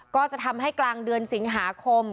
ก็จะทำให้กลางเดือนสิงหาคม